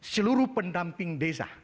seluruh pendamping desa